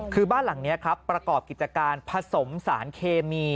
คือบ้านหลังนี้ครับประกอบกิจการผสมสารเคมี